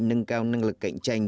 nâng cao năng lực cạnh tranh